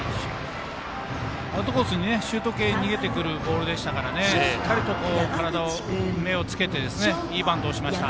アウトコースにシュート系で逃げてくるボールでしたからしっかりと目をつけていいバントをしました。